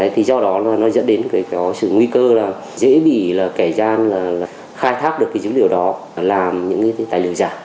thì do đó nó dẫn đến sự nguy cơ là dễ bị kẻ gian khai thác được dữ liệu đó làm những tài liệu giả